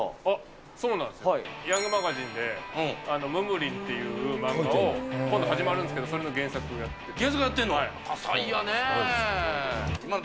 そうなんですよ、ヤングマガジンでムムリンっていう漫画を、今度始まるんですけど、原作やってるの？